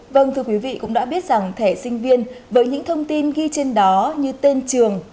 vâng thưa quý vị cũng đã biết rằng thẻ sinh viên với những thông tin ghi trên đó như tên trường